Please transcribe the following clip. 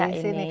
baru di sini